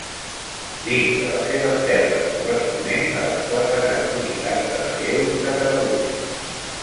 Dins de les seves terres corresponents a les quatre grans unitats de relleu de Catalunya.